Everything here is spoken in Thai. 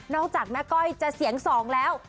จากแม่ก้อยจะเสียงสองแล้ว